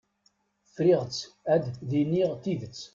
Friɣ-tt ad d-iniɣ tidet.